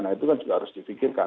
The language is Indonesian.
nah itu kan juga harus difikirkan